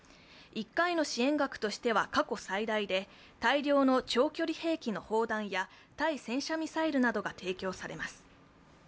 １回の支援額としては過去最大で大量の長距離兵器の砲弾や対戦車ミサイルなどが提供されます。